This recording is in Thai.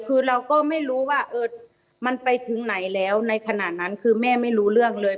คือเราก็ไม่รู้ว่ามันไปถึงไหนแล้วในขณะนั้นคือแม่ไม่รู้เรื่องเลย